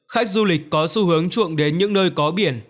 khách du lịch có xu hướng chuộng đến những nơi có biển